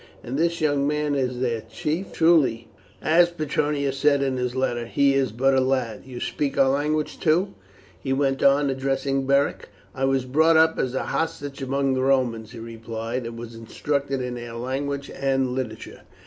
And this young man is their chief? Truly, as Petronius said in his letter, he is but a lad. You speak our language too?" he went on, addressing Beric. "I was brought up as a hostage among the Romans," he replied, "and was instructed in their language and literature."